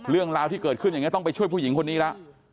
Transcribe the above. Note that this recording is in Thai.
เรื่องราวที่เกิดขึ้นอย่างนี้ต้องไปช่วยผู้หญิงคนนี้แล้ว